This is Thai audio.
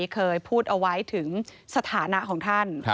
เคยพูดเอาไว้ถึงสถานะของท่าน